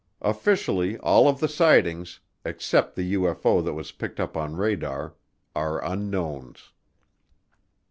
Officially all of the sightings, except the UFO that was picked up on radar, are unknowns.